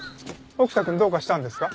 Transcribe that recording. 沖田くんどうかしたんですか？